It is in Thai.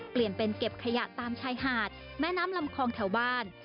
เปลี่ยนเป็นเก็บขยะตามชายหาดแม่น้ำลำคองแถวบ้าน